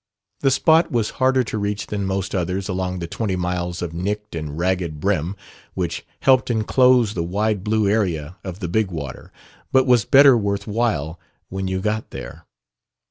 The spot was harder to reach than most others along the twenty miles of nicked and ragged brim which helped enclose the wide blue area of the Big Water, but was better worth while when you got there.